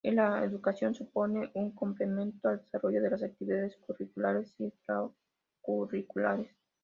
En la educación supone un complemento al desarrollo de las actividades curriculares y extracurriculares.